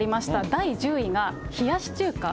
第１０位が冷やし中華。